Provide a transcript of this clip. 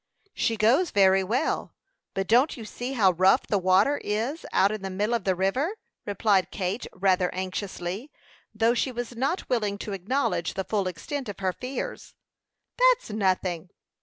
"She goes very well; but don't you see how rough the water is out in the middle of the river?" replied Kate, rather anxiously, though she was not willing to acknowledge the full extent of her fears. "That's nothing."